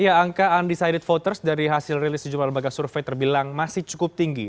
ya angka undecided voters dari hasil rilis sejumlah lembaga survei terbilang masih cukup tinggi